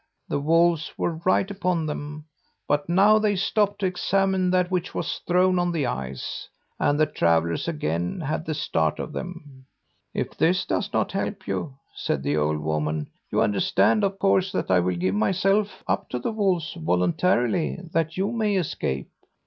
The wolves were right upon them, but now they stopped to examine that which was thrown on the ice, and the travellers again had the start of them. "'If this does not help you,' said the old woman, 'you understand, of course, that I will give myself up to the wolves voluntarily, that you may escape.'